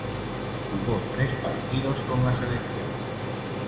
Jugó tres partidos con la selección.